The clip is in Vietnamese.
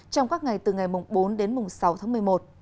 trong các ngày từ ngày bốn đến mùng sáu tháng một mươi một